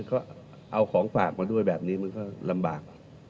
ก็เอาของฝากมาด้วยแบบนี้มันก็ลำบาก